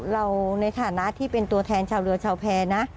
เราในฐานะที่เป็นตัวแทนชาวเรือชาวแพรนะ